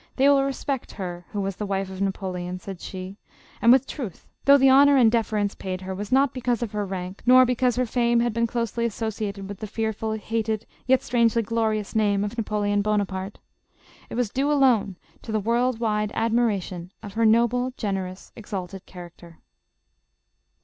" They will respect her who was the wife of Napoleon," said* she, and with truth, though the honor and deference paid her was not because of her rank, nor because her fame had been closely associated with the fearful, hated, yet strangely glorious name of Napoleon Bonaparte ;— it was due alone to the world wide admiration of her no ble, generous, exalted character.